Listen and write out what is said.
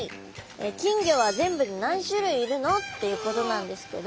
「金魚は全部で何種類いるの？」っていうことなんですけど。